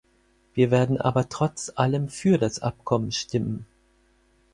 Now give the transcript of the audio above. Wir werden aber trotz allem für das Abkommen stimmen.